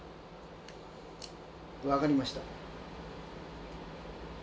分かりました。